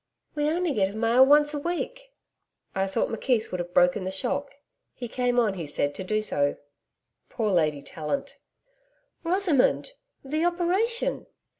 We only get a mail once a week.' 'I thought McKeith would have broken the shock. He came on, he said, to do so. Poor Lady Tallant.' 'Rosamond! The operation?'